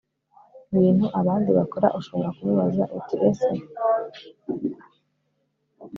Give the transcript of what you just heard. bintu abandi bakora ushobora kumubaza uti ese